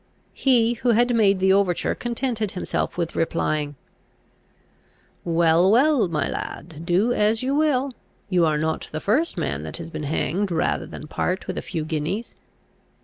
He who had made the overture contented himself with replying, "Well, well, my lad, do as you will; you are not the first man that has been hanged rather than part with a few guineas."